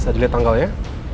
bisa diliat tanggal ya